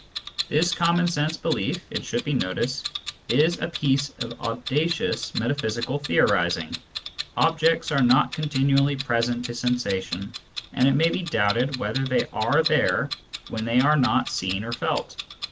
This common sense belief, it should be noticed, is a piece of audacious metaphysical theorising ; objects are not continually present to sensa tion, and it may be doubted whether they are there when they are not seen or felt.